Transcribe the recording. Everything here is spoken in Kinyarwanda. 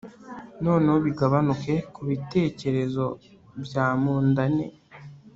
noneho bigabanuke kubitekerezo bya mundane